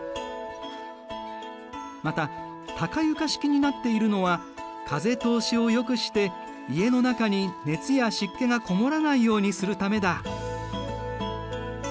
また高床式になっているのは風通しをよくして家の中に熱や湿気が籠もらないようにするためだ。